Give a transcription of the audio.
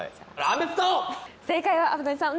正解は油谷さん